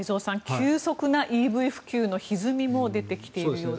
急速なＥＶ普及のひずみも見えてきているようですね。